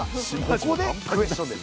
ここでクエスチョンです。